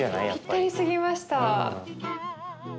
ぴったりすぎました。